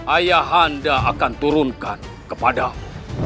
ayah anda akan turunkan kepadamu